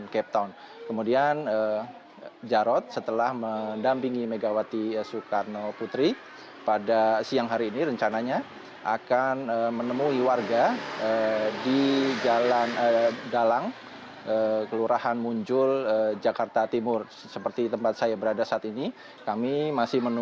ketua umum pdi perjuangan yang juga presiden ri